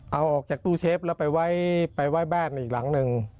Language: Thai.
เอาออกจากตู้เชฟแล้วไปไว้บ้านอีกหลังหนึ่ง